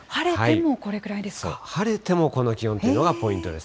そう、晴れてもこの気温というのがポイントです。